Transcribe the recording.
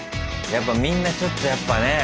やっぱみんなちょっとやっぱね